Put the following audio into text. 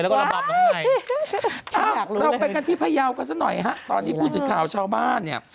อ้าวเราไปกันที่พยาวกันสักหน่อยฮะตอนนี้พูดสิทธิ์ข่าวชาวบ้านเนี่ย